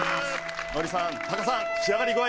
ノリさんタカさん仕上がり具合は？